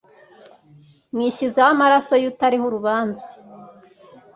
mwishyizeho amaraso y utariho urubanza